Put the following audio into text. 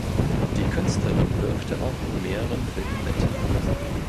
Die Künstlerin wirkte auch in mehreren Filmen mit.